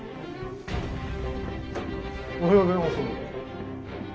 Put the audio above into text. おはようございます。